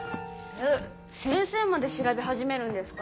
え先生まで調べ始めるんですか？